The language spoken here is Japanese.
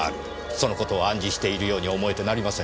その事を暗示しているように思えてなりません。